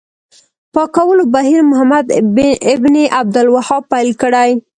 پاکولو بهیر محمد بن عبدالوهاب پیل کړی.